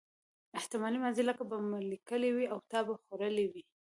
احتمالي ماضي لکه ما به لیکلي وي او تا به خوړلي وي.